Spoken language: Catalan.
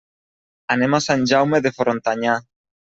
Anem a Sant Jaume de Frontanyà.